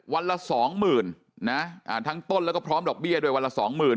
ละสองหมื่นนะทั้งต้นแล้วก็พร้อมดอกเบี้ยด้วยวันละสองหมื่น